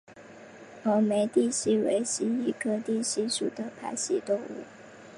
峨眉地蜥为蜥蜴科地蜥属的爬行动物。